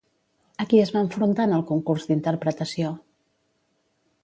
A qui es va enfrontar en el concurs d'interpretació?